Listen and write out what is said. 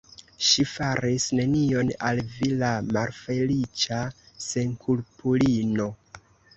Ŝi faris nenion al vi, la malfeliĉa senkulpulino.